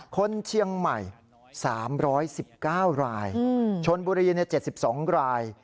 คนเชียงใหม่๓๑๙รายชนบุรี๗๒ราย